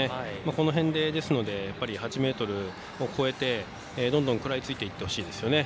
この辺で、８ｍを超えてどんどん食らいついていってほしいですよね。